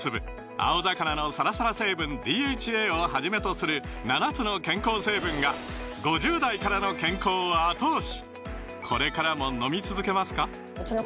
青魚のサラサラ成分ＤＨＡをはじめとする７つの健康成分が５０代からの健康を後押し！